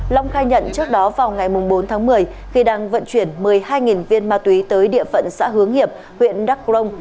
long khai nhận trước đó vào ngày bốn tháng một mươi khi đang vận chuyển một mươi hai viên ma túy tới địa phận xã hướng hiệp huyện đắk rông